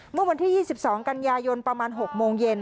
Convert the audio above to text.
เมื่อวันที่๒๒กันยายนประมาณ๖โมงเย็น